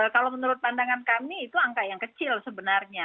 kalau menurut pandangan kami itu angka yang kecil sebenarnya